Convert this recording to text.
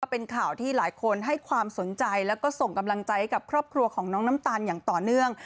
เป็นข่าวที่หลายคนให้ความสนใจแล้วก็ส่งกำลังใจกับครอบครัวของน้องน้ำตาลอย่างต่อเนื่อง